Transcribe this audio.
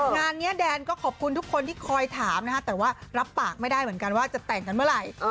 งานนี้แดนก็ขอบคุณทุกคนที่คอยถามนะฮะแต่ว่ารับปากไม่ได้เหมือนกันว่าจะแต่งกันเมื่อไหร่